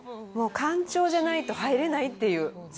干潮じゃないと入れないっていう。